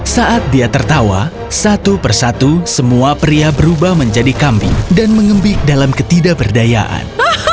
saat dia tertawa satu persatu semua pria berubah menjadi kambing dan mengembik dalam ketidakberdayaan